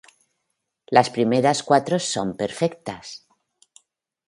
Las primeras cuatro son perfectas.